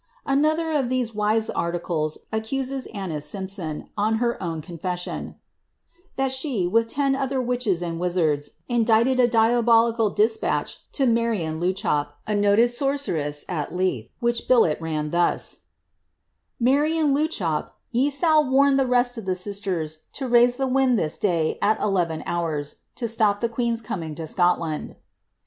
Another of these wise articles accuses Annis Simpson, on her own confession, ^ that she, with ten other witches and wizards, indited a dia bolical despatch to Marian Leuchop, a noted sorceress at Leith, which billet ran thus— Marion Leuchop, Te sal warn the rest of the sisters to raise the wind this day at eleven hours, to stop the queen's coming to Scotland."'